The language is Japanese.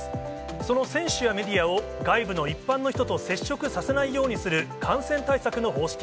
その選手やメディアを、外部の一般の人と接触させないようにする感染対策の方式。